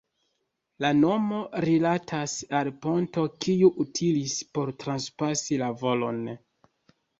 La nomo rilatas al ponto kiu utilis por trapasi la valon.